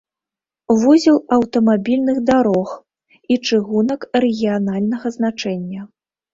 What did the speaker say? Вузел аўтамабільных дарог і чыгунак рэгіянальнага значэння.